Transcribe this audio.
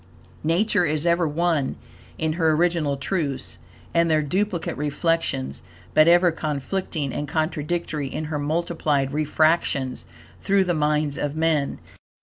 Nature is ever one in her original truths and their duplicate reflections; but ever conflicting and contradictory in her multiplied refractions through the minds of men.